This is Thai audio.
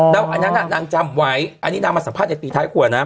แล้วอันนั้นนางจำไว้อันนี้นางมาสัมภาษณ์ในตีท้ายครัวนะ